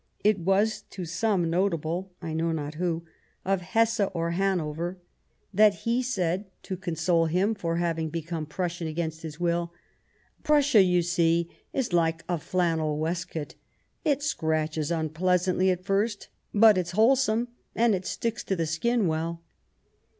It was to some notable — Iknow not who — of Hesse or Hanover, ^72> Bismarck that he said, to console him for having become Prussian against his own will :" Prussia, you see, is like a flannel waistcoat. It scratches unpleasantly at first ; but it's wholesome, and it sticks to the skin well."